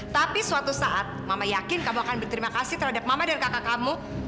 tapi suatu saat mama yakin kamu akan berterima kasih terhadap mama dan kakak kamu